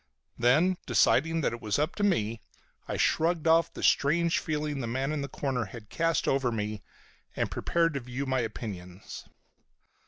Then, deciding it was up to me, I shrugged off the strange feeling the man in the corner had cast over me, and prepared to view my opinions.